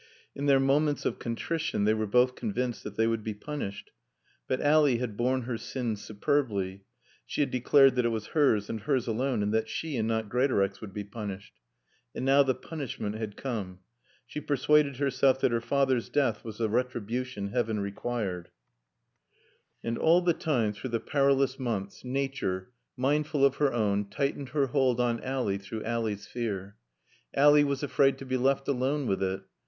In their moments of contrition they were both convinced that they would be punished. But Ally had borne her sin superbly; she had declared that it was hers and hers only, and that she and not Greatorex would be punished. And now the punishment had come. She persuaded herself that her father's death was the retribution Heaven required. And all the time, through the perilous months, Nature, mindful of her own, tightened her hold on Ally through Ally's fear. Ally was afraid to be left alone with it.